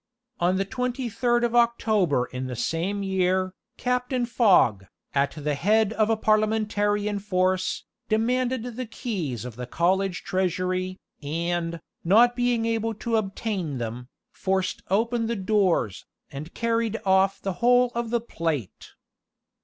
On the 23rd of October in the same year, Captain Fogg, at the head of a Parliamentarian force, demanded the keys of the college treasury, and, not being able to obtain them, forced open the doors, and carried off the whole of the plate.